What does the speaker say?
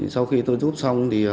sau khi tôi giúp xong